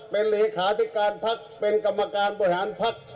เป็นเลขาธิการพักเป็นกรรมการบริหารภักดิ์